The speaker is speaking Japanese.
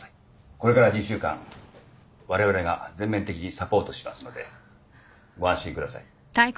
これから２週間われわれが全面的にサポートしますのでご安心ください。